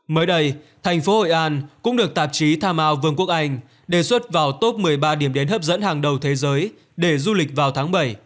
mới đây thành phố hội an cũng được tạp chí timo vương quốc anh đề xuất vào top một mươi ba điểm đến hấp dẫn hàng đầu thế giới để du lịch vào tháng bảy